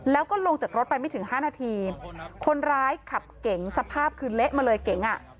แล้วก็ลงจากรถไปไม่ถึงห้านาทีคนร้ายขับเก๋งสภาพคือเละมาเลยเก๋งอ่ะ